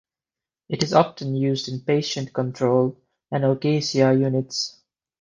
It is often used in Patient Controlled Analgesia units.